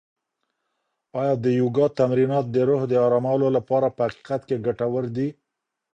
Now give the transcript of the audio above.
آیا د یوګا تمرینات د روح د ارامولو لپاره په حقیقت کې ګټور دي؟